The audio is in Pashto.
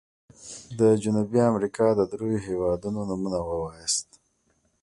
د جنوبي امريکا د دریو هيوادونو نومونه ووایاست.